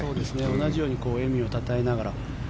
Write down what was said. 同じように笑みをたたえながら。